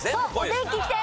お天気きて！